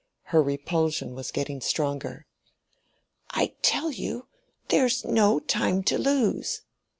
Her repulsion was getting stronger. "I tell you, there's no time to lose."